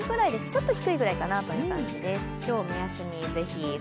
ちょっと低いかなという感じです。